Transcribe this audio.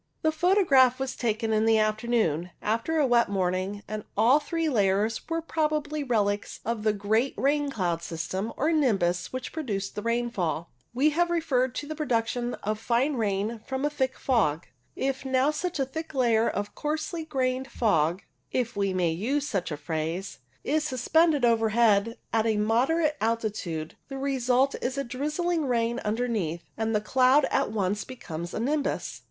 The photograph was taken in the afternoon, after a wet morning, and all three layers were probably relics of the great rain cloud system, or nimbus, which produced the rainfall. We have referred to the production of fine rain L 74 LOWER CLOUDS from a thick fog. If now such a thick layer of coarse grained fog — if we may use such a phrase — is sus pended overhead at a moderate altitude, the result is a drizzling rain underneath, and the cloud at once becomes a nimbus.